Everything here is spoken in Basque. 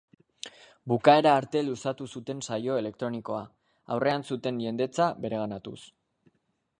Bukaera arte luzatu zuten saio elektronikoa, aurrean zuten jendetza bereganatuz.